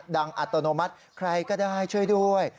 อัตโนมัติใครก็ได้ช่วยด้วย